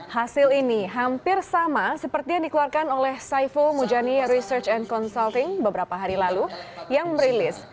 hasil ini hampir sama seperti yang dikeluarkan oleh saiful mujani research and consulting beberapa hari lalu yang merilis